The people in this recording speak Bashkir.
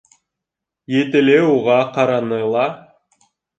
Етеле уға ҡараны ла: